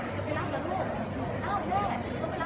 พี่แม่ที่เว้นได้รับความรู้สึกมากกว่า